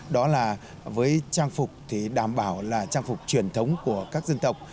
đó là với trang phục thì đảm bảo là trang phục truyền thống của các dân tộc